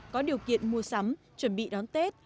có điều kiện mua sắm chuẩn bị đón tết